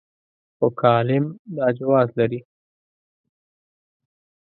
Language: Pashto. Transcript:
خو کالم دا جواز لري.